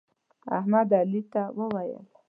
احمد علي ته وویل: